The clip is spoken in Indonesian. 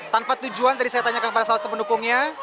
tanpa tujuan tadi saya tanyakan pada salah satu pendukungnya